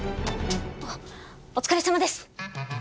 あっお疲れさまです。